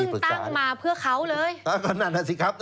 ซึ่งตั้งมาเพื่อเขาเลยอ่าก็นั่นน่ะสิครับ